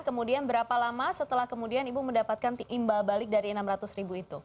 kemudian berapa lama setelah kemudian ibu mendapatkan imbal balik dari enam ratus ribu itu